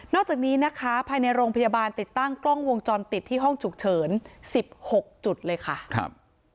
จากนี้นะคะภายในโรงพยาบาลติดตั้งกล้องวงจรปิดที่ห้องฉุกเฉิน๑๖จุดเลยค่ะครับ